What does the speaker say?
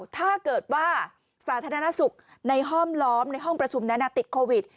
ถ้าเกิดว่าสาธารณสุขในห้อมล้อมในห้องประชุมนั้นติดโควิด